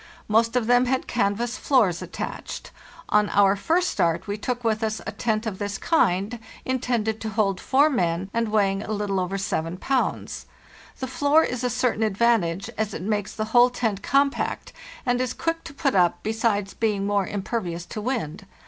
Most of them had canvas floors attached. On our first start we took with us a tent of this kind, intended to hold four men and weighing a little over 7 pounds. The floor is a certain advantage, as it makes the whole tent compact and is quick to put up, besides being more impervious to wind.